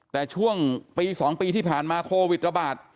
แต่ช่วงปี๒ปีที่ผ่านมาโควิดระบาด